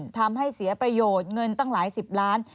ทำให้เสียประโยชน์เงินตั้งหลายสิบล้าน